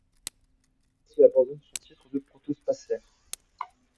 À ce poste, il abandonne son titre de protospathaire.